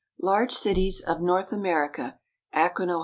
Large Cities of North America Akron, O.